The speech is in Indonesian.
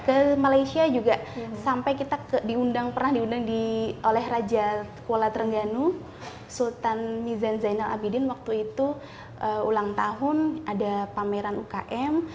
ke malaysia juga sampai kita diundang pernah diundang oleh raja kuala trengganu sultan mizan zainal abidin waktu itu ulang tahun ada pameran ukm